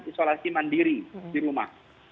isolasi mandiri di rumah